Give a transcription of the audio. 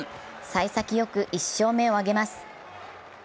さい先よく１勝目を挙げます。